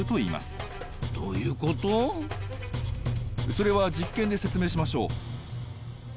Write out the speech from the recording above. それは実験で説明しましょう。